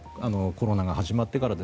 コロナが始まってから。